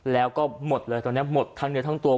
แล้วก็หมดเลยตรงนี้หมดทั้งเนื้อทั้งตัว